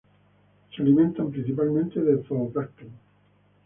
Se alimentan principalmente de zooplancton.